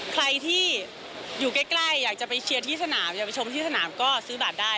ใครที่อยู่ใกล้อยากจะไปเชียร์ที่สนามอยากไปชมที่สนามก็ซื้อบัตรได้